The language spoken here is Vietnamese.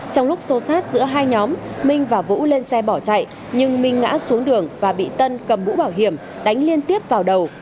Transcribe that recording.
trong lúc xô sát giữa hai nhóm minh và vũ lên xe bỏ chạy nhưng minh ngã xuống đường và bị tân cầm mũ bảo hiểm đánh liên tiếp vào đầu